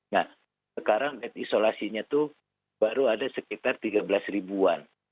nah sekarang isolasinya itu baru ada sekitar tiga belas ribuan